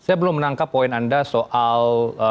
saya belum menangkap poin anda soal